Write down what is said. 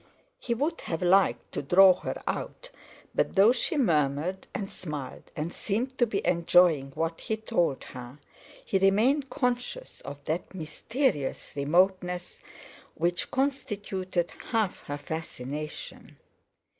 He would have liked to draw her out, but though she murmured and smiled and seemed to be enjoying what he told her, he remained conscious of that mysterious remoteness which constituted half her fascination.